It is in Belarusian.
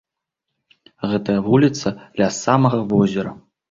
Гэтая вуліца ля самага возера.